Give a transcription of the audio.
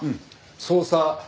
捜査。